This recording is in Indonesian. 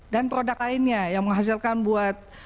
dan produk lainnya yang menghasilkan buat